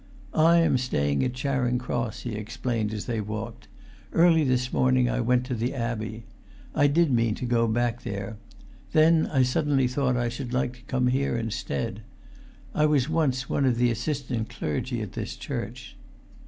"I am staying at Charing Cross," he explained as they walked; "early this morning I went to the abbey. I did mean to go back there; then I suddenly thought I should like to come here instead. I was once one of the assistant clergy at this church."